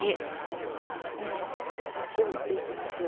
塩をして行きます。